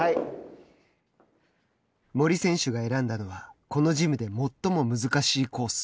森選手が選んだのはこのジムで最も難しいコース。